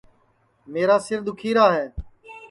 میرا سِر دُؔکھیرا ہے